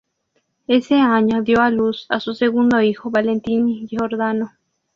Ese año dio a luz a su segundo hijo Valentín Giordano.